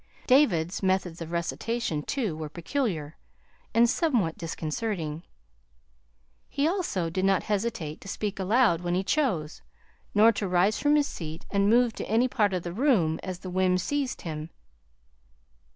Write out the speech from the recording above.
David's methods of recitation, too, were peculiar, and somewhat disconcerting. He also did not hesitate to speak aloud when he chose, nor to rise from his seat and move to any part of the room as the whim seized him.